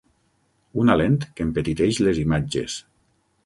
Una lent que empetiteix les imatges.